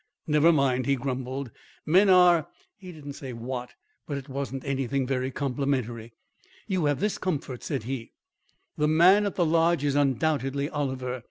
"Never mind," he grumbled; "men are " he didn't say what; but it wasn't anything very complimentary. "You have this comfort," said he: "the man at the Lodge is undoubtedly Oliver.